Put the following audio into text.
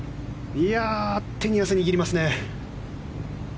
手に汗握りますね。